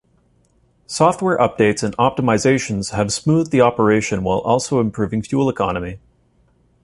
Software updates and optimisations have smoothed the operation while also improving fuel economy.